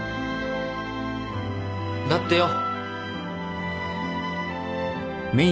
だってよ。